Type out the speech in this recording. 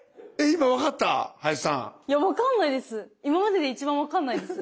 今までで一番分かんないです。